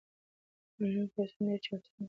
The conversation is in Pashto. آنلاین کورسونه ډېر چانسونه برابروي.